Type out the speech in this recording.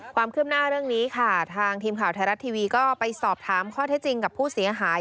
ความคืบหน้าเรื่องนี้ค่ะทางทีมข่าวไทยรัฐทีวีก็ไปสอบถามข้อเท็จจริงกับผู้เสียหาย